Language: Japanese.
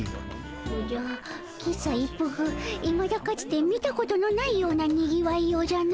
おじゃ喫茶一服いまだかつて見たことのないようなにぎわいようじゃの。